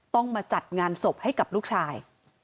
ต้องมาจัดงานศพให้กับลูกชาย